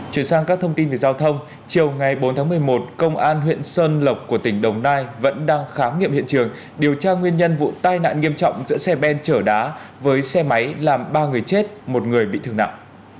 chuyển sang các thông tin về giao thông chiều ngày bốn tháng một mươi một công an huyện sơn lộc của tỉnh đồng nai vẫn đang khám nghiệm hiện trường điều tra nguyên nhân vụ tai nạn nghiêm trọng giữa xe ben chở đá với xe máy làm ba người chết một người bị thương nặng